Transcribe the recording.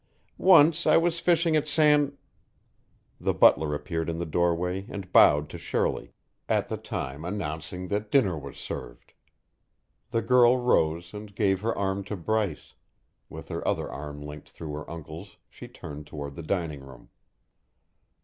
Once I was fishing at San " The butler appeared in the doorway and bowed to Shirley, at the time announcing that dinner was served. The girl rose and gave her arm to Bryce; with her other arm linked through her uncle's she turned toward the dining room.